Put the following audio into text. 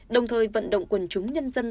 đồng thời vận động quần chúng nhân dân